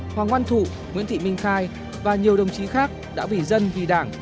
hoàng quân thụ nguyễn thị minh khai và nhiều đồng chí khác đã vỉ dân vì đảng